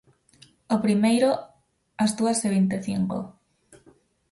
O primeiro, ás dúas e vinte e cinco.